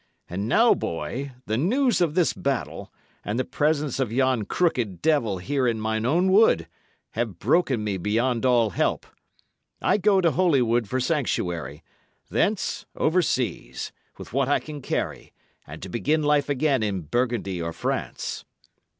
"And now, boy, the news of this battle, and the presence of yon crooked devil here in mine own wood, have broken me beyond all help. I go to Holywood for sanctuary; thence overseas, with what I can carry, and to begin life again in Burgundy or France."